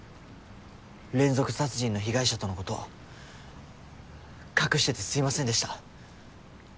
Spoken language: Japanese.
連続殺人の被害者とのこと隠しててすいませんでした。